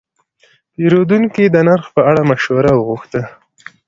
پیرودونکی د نرخ په اړه مشوره وغوښته.